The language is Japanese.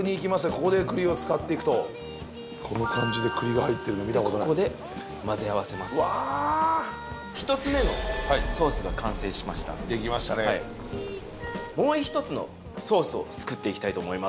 ここで栗を使っていくとこの感じで栗が入ってるの見たことないここで混ぜ合わせますわ１つ目のソースが完成しましたできましたねを作っていきたいと思います